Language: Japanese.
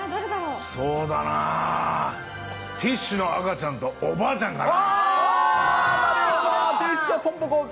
そうだな、ティッシュの赤ちゃんとおばあちゃんかな。